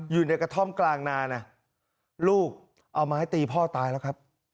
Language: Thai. อยู่ในกระท่อมกลางนานะลูกเอาไม้ตีพ่อตายแล้วครับ